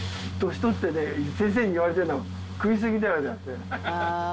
年取ってね、先生に言われてるのは、食い過ぎだよなんて。